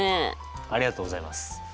ありがとうございます。